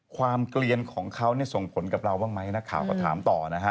เกลียนของเขาส่งผลกับเราบ้างไหมนักข่าวก็ถามต่อนะฮะ